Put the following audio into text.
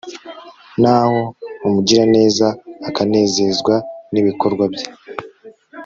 naho umugiraneza akanezezwa n'ibikorwa bye